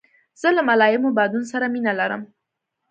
زه له ملایمو بادونو سره مینه لرم.